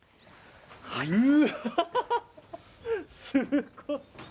すごい！